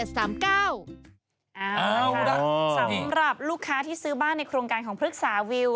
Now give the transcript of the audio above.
เอาล่ะสำหรับลูกค้าที่ซื้อบ้านในโครงการของพฤกษาวิว